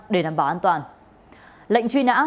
để đảm bảo an toàn